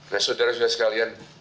nah saudara saudara sekalian